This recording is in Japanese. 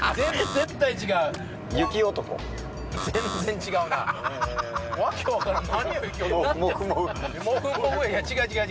絶対違う。